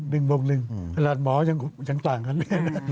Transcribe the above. ดึงบบนึงราดหมอยังต่างกันนี่